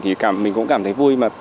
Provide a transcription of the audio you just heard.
thì mình cũng cảm thấy vui